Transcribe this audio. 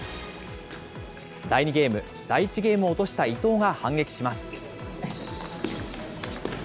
第２ゲーム、第１ゲームを落とした伊藤が反撃します。